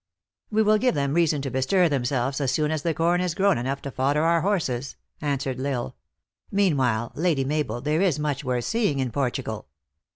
" We will give them reason to bestir themselves as o soon as the corn is grown enough to fodder our horses," answered L Isle. " Meanwhile, Lady Mabel, there is much worth seeing in Portugal.